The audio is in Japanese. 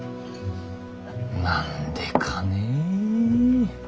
何でかねぇ。